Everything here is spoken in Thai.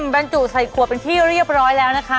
บรรจุใส่ขวดเป็นที่เรียบร้อยแล้วนะคะ